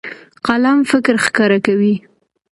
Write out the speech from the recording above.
قلم فکر ښکاره کوي.